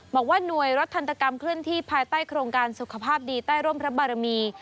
บอกว่าหน่วยรถทันตกรรมเคลื่อนที่ภายใต้โครงการสุขภาพดีใต้ร่มพระบารมี